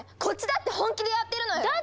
こっちだって本気でやってるのよ！